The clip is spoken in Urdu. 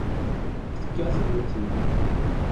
اس کی کیا ضرورت تھی؟